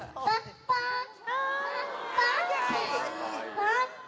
パッパ！